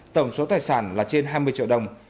tổng số tài sản là trên hai mươi triệu đồng